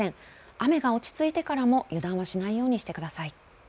雨が落ち着いてからも油断はしないようにしてください。